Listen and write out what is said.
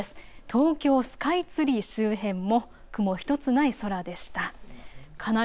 東京スカイツリー周辺も雲１つない空でした。